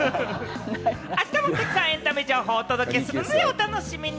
あしたもたくさんエンタメ情報をお届けするのでお楽しみに！